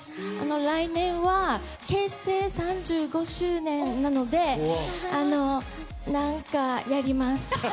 来年は結成３５周年なので、なんかやります。